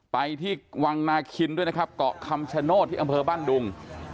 ไปที่วังนาคินด้วยนะครับเกาะคำชโนธที่อำเภอบ้านดุง